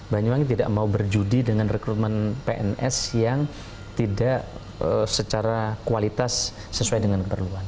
banyuwangi tidak mau berjudi dengan rekrutmen pns yang tidak secara kualitas sesuai dengan keperluan